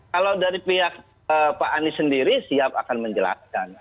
kalau dari pihak pak anies sendiri siap akan menjelaskan